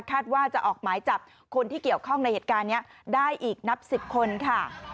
ว่าจะออกหมายจับคนที่เกี่ยวข้องในเหตุการณ์นี้ได้อีกนับ๑๐คนค่ะ